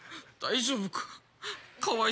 大丈夫か？